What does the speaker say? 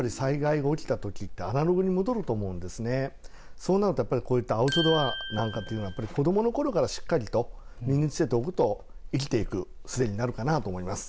そうなるとやっぱりこういったアウトドアなんかっていうのはやっぱり子どもの頃からしっかりと身につけておくと生きていくすべになるかなと思います。